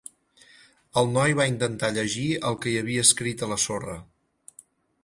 El noi va intentar llegir el que hi havia escrit a la sorra.